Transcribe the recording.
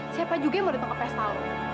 siapa juga yang mau ditunggu pesta lu